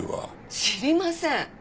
知りません。